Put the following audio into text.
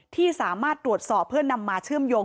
ที่สามารถตรวจสอบเพื่อนำมาเชื่อมโยง